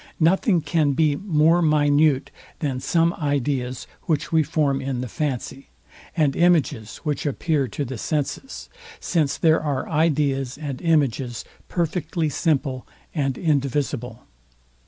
Nothing can be more minute, than some ideas, which we form in the fancy; and images, which appear to the senses; since there are ideas and images perfectly simple and indivisible.